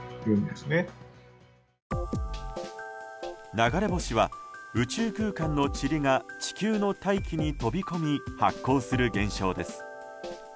流れ星は、宇宙空間のちりが地球の大気に飛び込み発光する現象です。